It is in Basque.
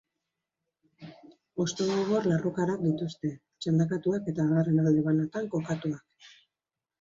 Hosto gogor larrukarak dituzte, txandakatuak eta adarren alde banatan kokatuak.